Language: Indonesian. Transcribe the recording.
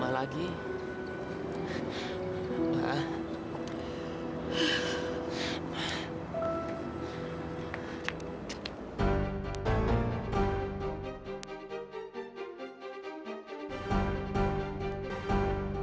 kapan dateng ke